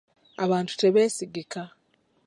Abantu tebeesigika.